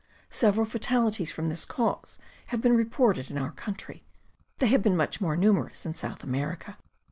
Several fatalities from this cause have been reported in our country; they have been much more numerous in South America.